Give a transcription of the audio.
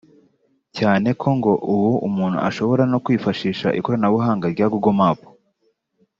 cyane ko ngo ubu umuntu ashobora no kwifashisha ikoranabuhanga rya Google Map